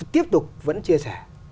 tiếp tục vẫn chia sẻ